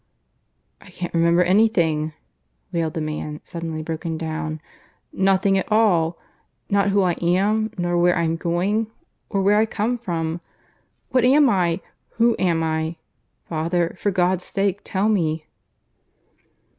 "I can't remember anything," wailed the man, suddenly broken down. "Nothing at all. Not who I am, nor where I'm going, or where I come from. ... What am I? Who am I? Father, for God's sake tell me."